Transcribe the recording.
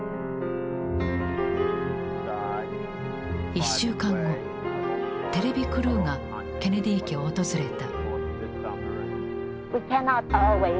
１週間後テレビクルーがケネディ家を訪れた。